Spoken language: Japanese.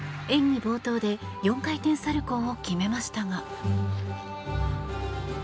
演技冒頭で４回転サルコウを決めましたが。